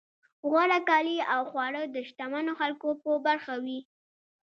غوره کالي او خواړه د شتمنو خلکو په برخه وي.